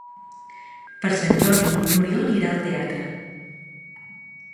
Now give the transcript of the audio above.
Per Sant Jordi n'Oriol irà al teatre.